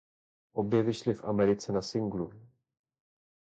Obě vyšly v Americe na singlu.